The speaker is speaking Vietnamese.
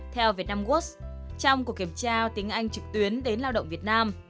theo vietnamworks trong cuộc kiểm tra tiếng anh trực tuyến đến lao động việt nam